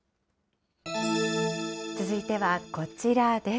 続いてはこちらです。